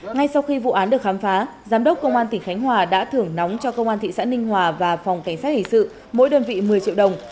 ngay sau khi vụ án được khám phá giám đốc công an tỉnh khánh hòa đã thưởng nóng cho công an thị xã ninh hòa và phòng cảnh sát hình sự mỗi đơn vị một mươi triệu đồng